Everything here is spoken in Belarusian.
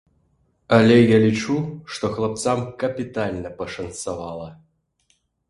Але я лічу, што хлапцам капітальна пашанцавала.